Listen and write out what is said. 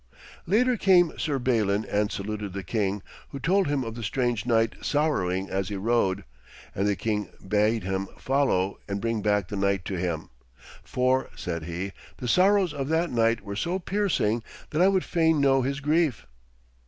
Later came Sir Balin and saluted the king, who told him of the strange knight sorrowing as he rode, and the king bade him follow and bring back the knight to him, 'for,' said he, 'the sorrows of that knight were so piercing that I would fain know his grief.'